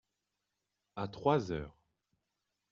À trois heures.